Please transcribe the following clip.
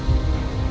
kembali ke rumah saya